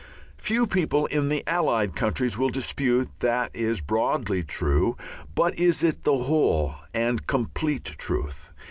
Few people in the Allied countries will dispute that that is broadly true. But is it the whole and complete truth?